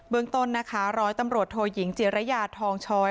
เมืองต้นนะคะร้อยตำรวจโทยิงจิรยาทองช้อย